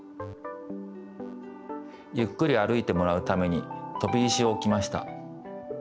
ゆっくり歩いてもらうためにとび石をおきました。